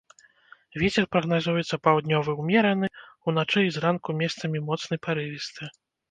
Вецер прагназуецца паўднёвы ўмераны, уначы і зранку месцамі моцны парывісты.